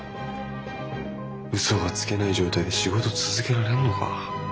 嘘がつけない状態で仕事続けられんのか？